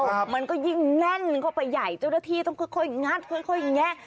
ครับมันก็ยิ่งแน่นเข้าไปใหญ่เจ้าหน้าที่ต้องค่อยค่อยงัดค่อยค่อยแงะ